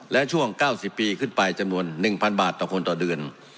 และช่วง๙๐ปีขึ้นไปจำนวน๑๐๐บาทต่อคนต่อเดือน